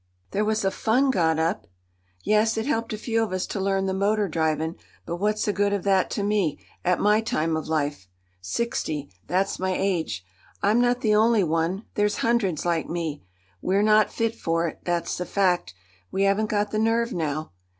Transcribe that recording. "There was a fund got up." "Yes, it helped a few of us to learn the motor drivin'; but what's the good of that to me, at my time of life? Sixty, that's my age; I'm not the only one—there's hundreds like me. We're not fit for it, that's the fact; we haven't got the nerve now.